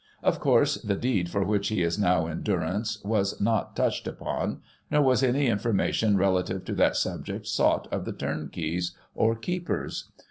Of course, the deed for which he is now in durance was not touched upon ; nor was any information relative to that sub ject sought of the turnkeys, or keepers.